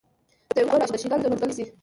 دېوه ګل او د شیګل او د نورګل سي